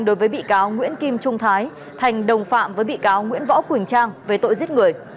đối với bị cáo nguyễn kim trung thái thành đồng phạm với bị cáo nguyễn võ quỳnh trang về tội giết người